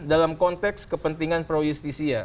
dalam konteks kepentingan pro justisia